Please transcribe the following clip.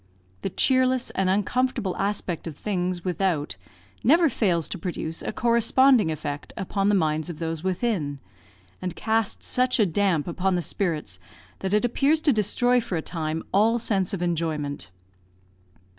The cheerless and uncomfortable aspect of things without never fails to produce a corresponding effect upon the minds of those within, and casts such a damp upon the spirits that it appears to destroy for a time all sense of enjoyment.